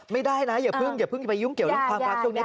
ไม่ได้นะอย่าเพิ่งจะไปยุ่งเกี่ยวเรื่องความรักช่วงนี้